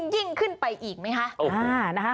ยิ่งขึ้นไปอีกไหมคะ